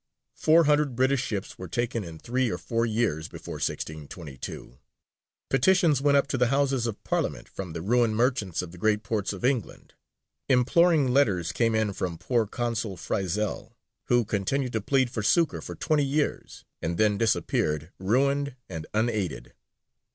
Four hundred British ships were taken in three or four years before 1622. Petitions went up to the Houses of Parliament from the ruined merchants of the great ports of England. Imploring letters came in from poor Consul Frizell, who continued to plead for succour for twenty years, and then disappeared, ruined and unaided.